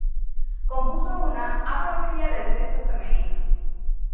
Compuso una "Apología del sexo femenino".